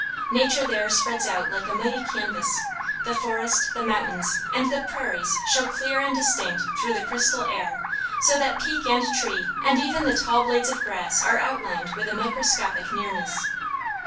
Nature there spreads out like a mighty canvas: the forest, the mountains, and the prairies show clear and distinct through the crystal air so that peak and tree and even the tall blades of grass are outlined with a microscopic nearness.